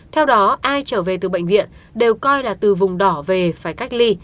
theo đó ai trở về từ bệnh viện đều coi là từ vùng đỏ về phải cách ly